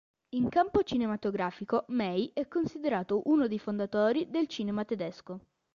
In campo cinematografico, May è considerato uno dei fondatori del cinema tedesco.